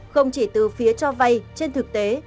không chỉ từ phía cho vay trên thực tế